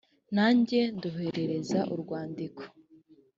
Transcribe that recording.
nanjye ndoherereza urwandiko